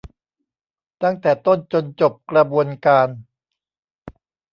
ตั้งแต่ต้นจนจบกระบวนการ